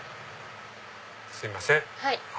すいません。